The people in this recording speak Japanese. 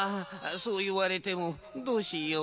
そういわれてもどうしよう。